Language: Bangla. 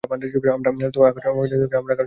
আমরা আকর্ষণীয় কিছু দেখতে চাই।